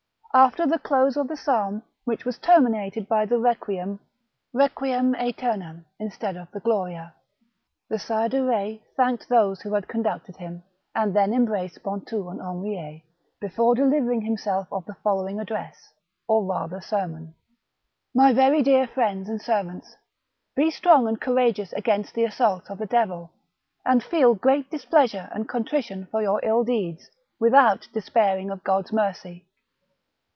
After the close of the psalm, which was terminated by the Requiem cetemam instead of the Gloria, the Sire de Betz thanked those who had conducted him, and then embraced Pontou and Henriet, before delivering himself of the following address, or rather sermon :—." My very dear friends and servants, be strong and courageous against the assaults of the devil, and feel great displeasure and ^contrition for your ill deeds, without despairing of God's mercy.